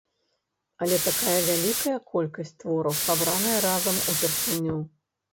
Але такая вялікая колькасць твораў сабраная разам упершыню.